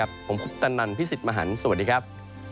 ผมคุปตันนันพี่สิทธิ์มหันฯสวัสดีครับ